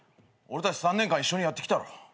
俺たち３年間一緒にやってきたろ。